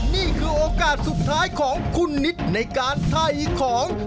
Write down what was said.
นี่คือโอกาสสุดท้ายของคุณนิดในการถ่ายของ